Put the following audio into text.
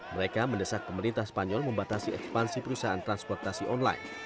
mereka mendesak pemerintah spanyol membatasi ekspansi perusahaan transportasi online